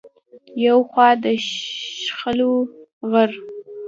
يو خوا د شلخو غر